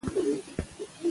د حاجي صېب اومبارکۍ له ورشه